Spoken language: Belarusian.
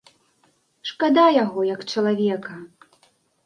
Шкада яго, як чалавека.